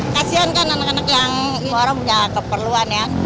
kasian kan anak anak yang orang punya keperluan ya